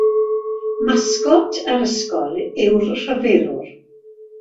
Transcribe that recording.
Masgot yr ysgol yw'r Rhyfelwr.